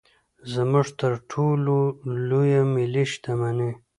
زموږ تر ټولو لویه ملي شتمني.